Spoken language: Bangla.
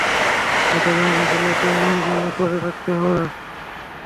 যেটা যেমন ছিল তেমন করে রাখতে হবে।